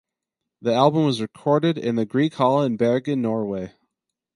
The album was recorded in the Grieg Hall in Bergen, Norway.